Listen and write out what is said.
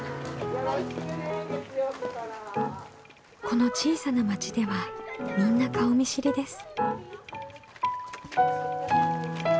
この小さな町ではみんな顔見知りです。